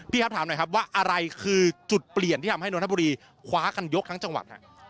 ครับถามหน่อยครับว่าอะไรคือจุดเปลี่ยนที่ทำให้นนทบุรีคว้ากันยกทั้งจังหวัด